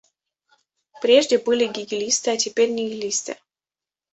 Прежде были гегелисты, а теперь нигилисты.